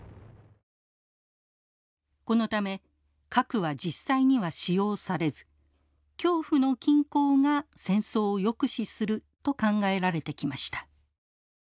このため核は実際には使用されず恐怖の均衡が戦争を抑止すると考えられてきました。